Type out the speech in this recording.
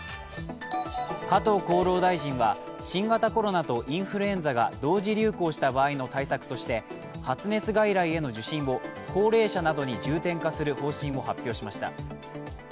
加藤厚労大臣は、新型コロナとインフルエンザが同時流行した場合の対策として発熱外来への受診を高齢者などに重点化する方針を発表しました。